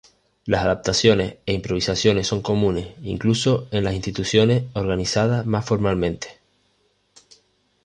Las adaptaciones e improvisaciones son comunes, incluso en las instituciones organizadas más formalmente.